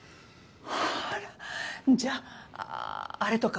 あらじゃああぁあれとかは？